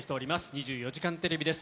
２４時間テレビです。